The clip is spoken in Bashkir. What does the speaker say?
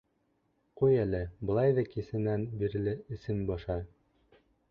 — Ҡуй әле, былай ҙа кисәнән бирле эсем боша.